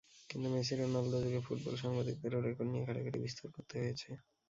কিন্তু মেসি-রোনালদো যুগে football সাংবাদিকদেরও record নিয়ে ঘাঁটাঘাঁটি বিস্তর করতে হয়েছে।